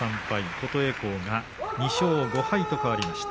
琴恵光が２勝５敗と変わりました。